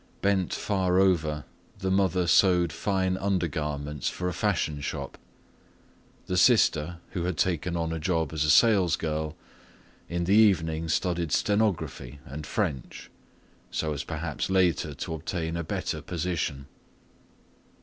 Bent far over, the mother sewed fine undergarments for a fashion shop. The sister, who had taken on a job as a salesgirl, in the evening studied stenography and French, so as perhaps later to obtain a better position.